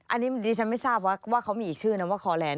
อันนี้ดิฉันไม่ทราบว่าเขามีอีกชื่อนะว่าคอแลนด